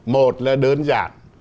một là đơn giản